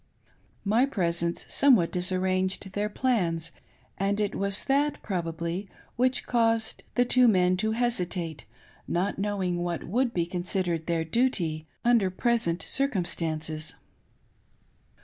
My presence somewhat disaf ranged their plans, and it was that probably which caused the two men to hesitate, not knowing what would be considered their "duty" unddr present circumstances.